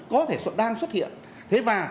có thể đang xuất hiện thế và